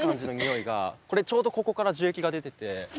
ちょうどここから樹液が出てて。